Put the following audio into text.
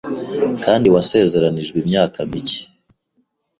Kandi wasezeranijwe imyaka mike